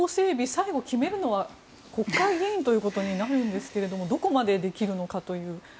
最後、決めるのは国会議員ということになるんですがどこまでできるのかという。